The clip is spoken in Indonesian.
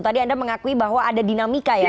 tadi anda mengakui bahwa ada dinamika ya